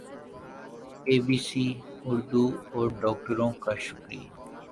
ی B C Urdu اور ڈاکٹروں کا شکری